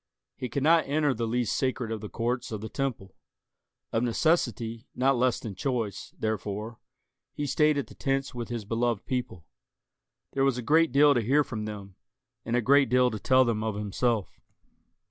He could not enter the least sacred of the courts of the Temple. Of necessity, not less than choice, therefore, he stayed at the tents with his beloved people. There was a great deal to hear from them, and a great deal to tell them of himself.